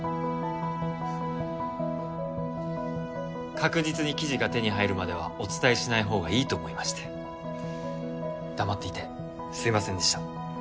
確実に生地が手に入るまではお伝えしない方がいいと思いまして黙っていてすいませんでした